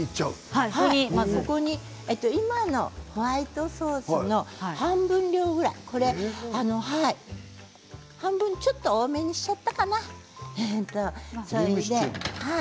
今のホワイトソースの半分量ぐらい半分、ちょっと多めにしちゃったかな。